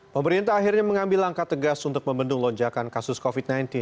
pemerintah akhirnya mengambil langkah tegas untuk membendung lonjakan kasus covid sembilan belas